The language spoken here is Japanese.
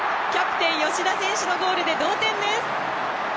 キャプテン、吉田選手のゴールで同点です。